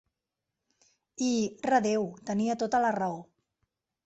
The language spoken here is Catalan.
I, redeu, tenia tota la raó.